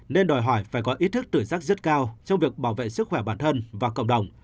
nên đòi hỏi phải có ý thức tự giác rất cao trong việc bảo vệ sức khỏe bản thân và cộng đồng